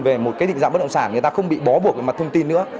về một cái định dạng bất động sản người ta không bị bó buộc về mặt thông tin nữa